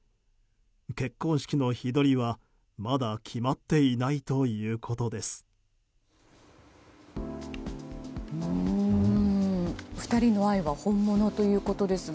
結婚式の日取りはまだ決まっていないということです。